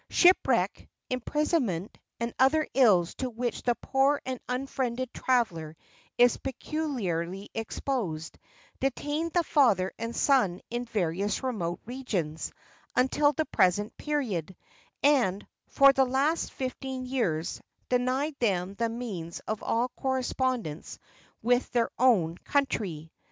Shipwreck, imprisonment, and other ills to which the poor and unfriended traveller is peculiarly exposed, detained the father and son in various remote regions until the present period; and, for the last fifteen years, denied them the means of all correspondence with their own country.